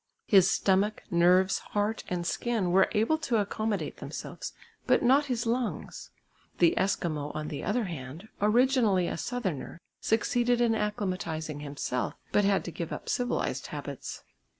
His stomach, nerves, heart and skin were able to accommodate themselves, but not his lungs. The Eskimo on the other hand, originally a southerner, succeeded in acclimatising himself but had to give up civilised habits.